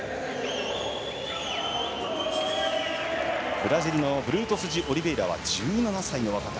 ブラジルのブルートスジオリベイラは１７歳の若手。